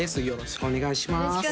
よろしくお願いします